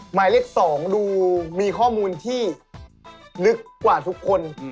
หมายเลข๒ดูมีข้อมูลที่ลึกกว่าทุกคน